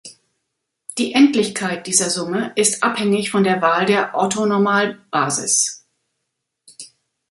Die Endlichkeit dieser Summe ist abhängig von der Wahl der Orthonormalbasis.